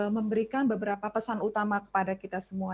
memberikan beberapa pesan utama kepada kita semua